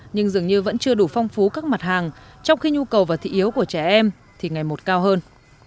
nhưng dường như vẫn chưa đủ phong phú các mặt hàng trong khi nhu cầu và thị yếu của trẻ em thì ngày một cao hơn